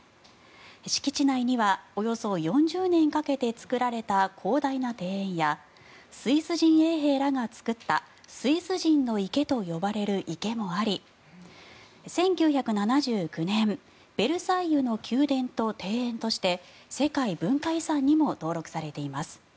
敷地内にはおよそ４０年かけて作られた広大な庭園やスイス人衛兵らが作ったスイス人の池と呼ばれる池もあり１９７９年ベルサイユの宮殿と庭園として世界文化遺産にも登録されています。